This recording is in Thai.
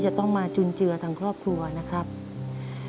ทำงานชื่อนางหยาดฝนภูมิสุขอายุ๕๔ปี